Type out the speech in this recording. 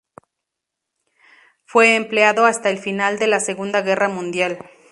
Fue empleado hasta el final de la Segunda Guerra Mundial.